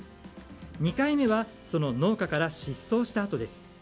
２回目は、その農家から失踪したあとです。